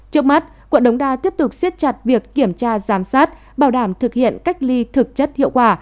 trước mắt quận đống đa tiếp tục siết chặt việc kiểm tra giám sát bảo đảm thực hiện cách ly thực chất hiệu quả